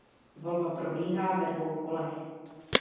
Volba probíhá ve dvou kolech.